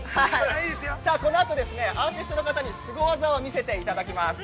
このあとですね、アーティストの方にスゴ技を見せていただきます。